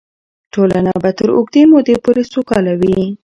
ټولنه به تر اوږدې مودې پورې سوکاله وي.